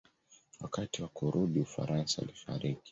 Wakati wa kurudi Ufaransa alifariki.